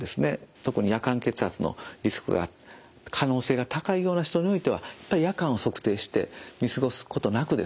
特に夜間血圧のリスクが可能性が高いような人においてはやっぱり夜間を測定して見過ごすことなくですね